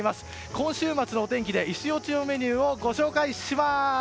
今週末のお天気でイチ押しのメニューをご紹介します。